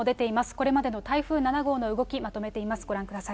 これまでの台風７号の動きまとめています。